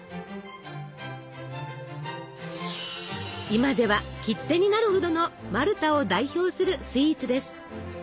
今では切手になるほどのマルタを代表するスイーツです。